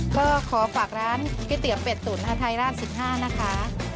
เบอร์ขอฝากร้านขี้เตี๋ยวเป็ดตุ๋นไทยราช๑๕นะคะ